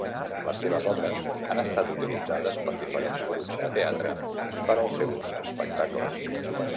Les seves obres han estat utilitzades per diferents grups de teatre per als seus espectacles.